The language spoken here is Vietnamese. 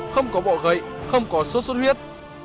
không có bọ gậy không có sốt xuất huyết